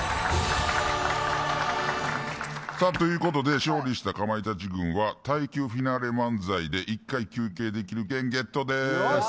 ということで勝利したかまいたち軍は耐久フィナーレ漫才で１回休憩できる権ゲットです。